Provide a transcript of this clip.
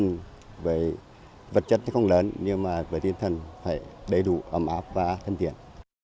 nhưng về vật chất thì không lớn nhưng mà với tinh thần phải đầy đủ ấm áp và thân thiện